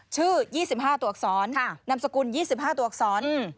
๒๕ตัวอักษรนามสกุล๒๕ตัวอักษร